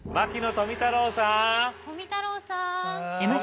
富太郎さん。